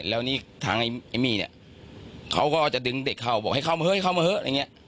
แล้วนี่ทางเอมมี่เนี่ยเขาก็จะดึงเด็กเข้าบอกให้เข้ามาเฮ้ยเข้ามาเถอะอะไรอย่างนี้